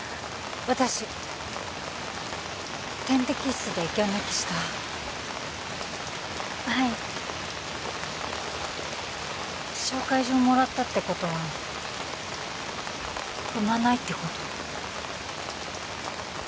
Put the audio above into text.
私点滴室でギャン泣きしたはい紹介状もらったってことは産まないってこと？